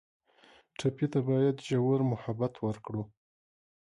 ټپي ته باید ژور محبت ورکړو.